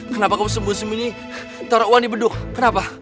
kenapa kamu sembunyi sembunyi taruh uang di beduk kenapa